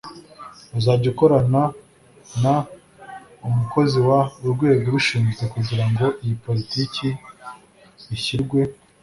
uzajya ukorana n umukozi w Urwego ubishinzwe kugira ngo iyi Politiki ishyirwe